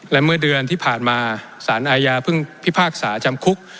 และเมื่อเดือนที่ผ่านมาสารอาญาเพิ่งพิพากษาจำคุก